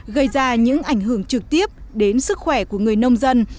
gây ra những ảnh hưởng trực tiếp đến sức khỏe của người nông dân